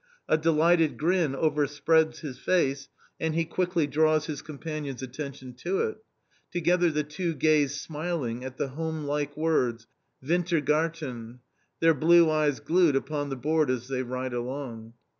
A delighted grin overspreads his face and he quickly draws his companion's attention to it. Together the two gaze smiling at the homelike words: "WINTER GARTEN," their blue eyes glued upon the board as they ride along.